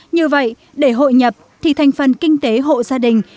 như vậy để hội nhập thì thành phần kinh tế hộ gia đình